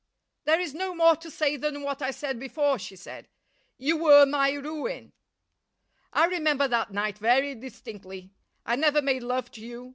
"There is no more to say than what I said before," she said. "You were my ruin." "I remember that night very distinctly. I never made love to you.